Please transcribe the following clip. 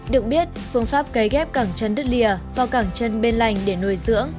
được biết phương pháp cấy ghép cẳng chân đứt lìa vào cẳng chân bên lành để nuôi dưỡng